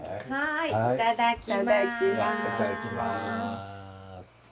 いただきます！